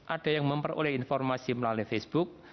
ada yang memperoleh informasi melalui facebook